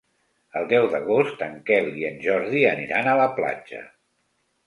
El deu d'agost en Quel i en Jordi aniran a la platja.